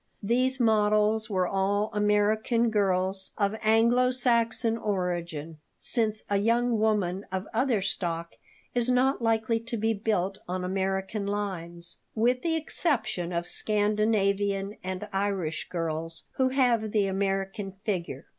These models were all American girls of Anglo Saxon origin, since a young woman of other stock is not likely to be built on American lines with the exception of Scandinavian and Irish girls, who have the American figure.